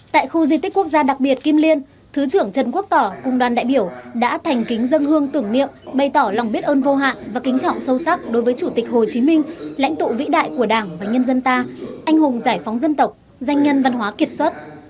tại khu di tích quốc gia đặc biệt kim liên thứ trưởng trần quốc tỏ cùng đoàn đại biểu đã thành kính dân hương tưởng niệm bày tỏ lòng biết ơn vô hạn và kính trọng sâu sắc đối với chủ tịch hồ chí minh lãnh tụ vĩ đại của đảng và nhân dân ta anh hùng giải phóng dân tộc danh nhân văn hóa kiệt xuất